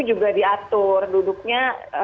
juga diatur duduknya